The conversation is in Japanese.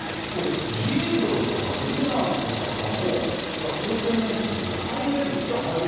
これ、自営業やフリーランスの方もこれ、厚生年金に入れるっ